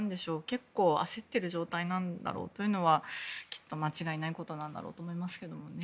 結構、焦っている状態なんだろうというのはきっと間違いないことなんだろうと思いますがね。